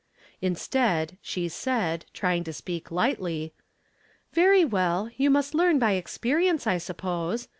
Instead, she said trying to speak lightly, —' "Very well; you must learn by experience I suppose.